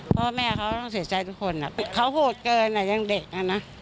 พ่อแม่เขาต้องเสียใจทุกคนเขาโหดเกินอ่ะยังเด็กนะ